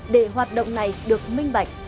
để hoạt động này được minh bạch